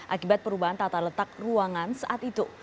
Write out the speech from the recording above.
akibat perubahan tata letak ruangan saat itu